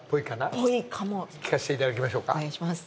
お願いします。